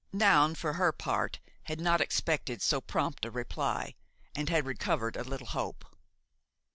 Noun, for her part, had not expected so prompt a reply, and had recovered a little hope.